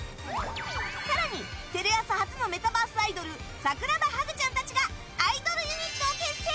更にテレ朝初のメタバースアイドル桜葉ハグちゃんたちがアイドルユニットを結成！